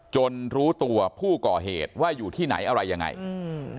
รู้ตัวผู้ก่อเหตุว่าอยู่ที่ไหนอะไรยังไงอืม